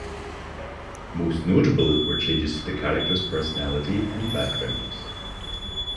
Most notable were changes to the characters' personality and backgrounds.